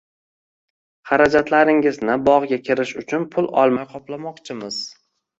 Xarajatlarimizni bog‘ga kirish uchun pul olmay qoplamoqchimiz